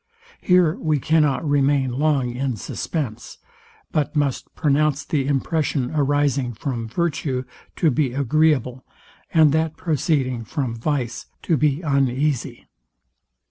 Here we cannot remain long in suspense, but must pronounce the impression arising from virtue, to be agreeable, and that proceding from vice to be uneasy.